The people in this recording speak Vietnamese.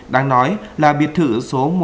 đáng nói là biệt thự số